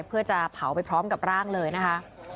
เพื่อจะเผาไปพร้อมกับร่างเลยนะคะ